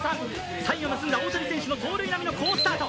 サインを盗んだ大谷選手の盗塁並みの好スタート。